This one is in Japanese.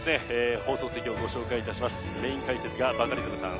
放送席をご紹介いたしますメイン解説がバカリズムさん